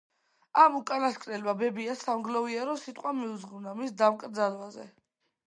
ამ უკანასკნელმა ბებიას სამგლოვიარო სიტყვა მიუძღვნა მის დაკრძალვაზე.